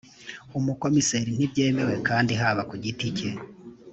umukomiseri ntibyemewe kandi haba ku giti cye